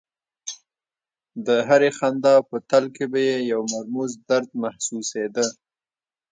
د هرې خندا په تل کې به یې یو مرموز درد محسوسېده